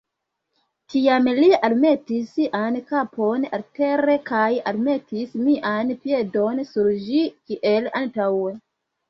Tiam li almetis sian kapon altere kaj almetis mian piedon sur ĝin, kiel antaŭe.